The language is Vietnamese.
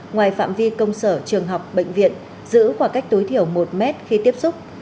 ngoài phạm vi công sở trường học bệnh viện giữ khoảng cách tối thiểu một mét khi tiếp xúc